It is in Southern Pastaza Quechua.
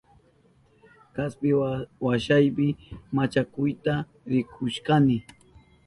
Kaspi washapi machakuyata rikushkani.